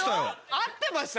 合ってました？